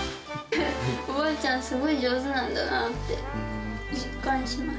おばあちゃん、すごい上手なんだなって実感します。